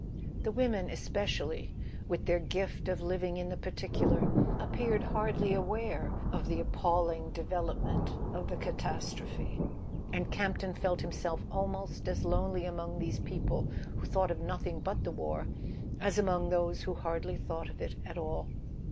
The women especially, with their gift of living in the particular, appeared hardly aware of the appalling development of the catastrophe; and Campton felt himself almost as lonely among these people who thought of nothing but the war as among those who hardly thought of it at all.